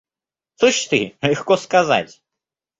– Слышь ты, легко сказать.